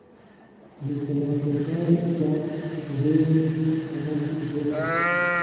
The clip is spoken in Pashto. د سناتوریال کلاس په ډېر شتمن کېدو سره